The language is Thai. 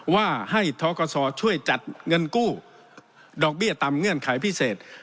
ว่าให้ทกศช่วยจัดเงินกู้ดอกเบี้ยตามเงื่อนไขพิเศษ